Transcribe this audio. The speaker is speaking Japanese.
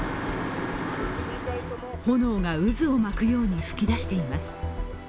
炎が渦を巻くように噴き出しています。